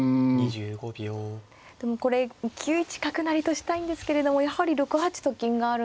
でもこれ９一角成としたいんですけれどもやはり６八と金があるので。